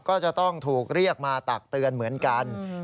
ก็จะต้องถูกเรียกมาตักเตือนเหมือนกัน